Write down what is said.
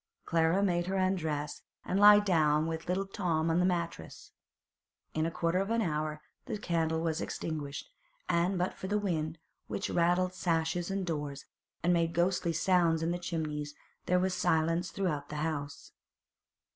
Clara made her undress and lie down with little Tom on the mattress. In a quarter of an hour the candle was extinguished, and but for the wind, which rattled sashes and doors, and made ghostly sounds in the chimneys, there was silence throughout the house.